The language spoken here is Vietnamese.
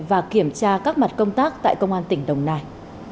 và kiểm tra các mặt công tác tại công an tỉnh đồng nai